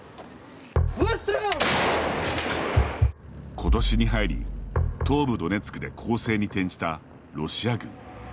今年に入り、東部ドネツクで攻勢に転じたロシア軍。